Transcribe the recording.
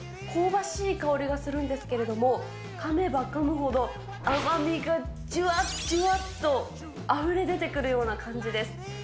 香ばしい香りがするんですけれども、かめばかむほど甘みがじゅわっじゅわっとあふれ出てくるような感じです。